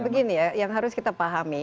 begini ya yang harus kita pahami